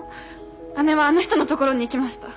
姉はあの人のところに行きました。